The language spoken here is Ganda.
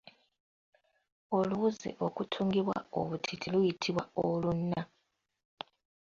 Oluwuzi okutungibwa obutiiti luyitibwa Oluna.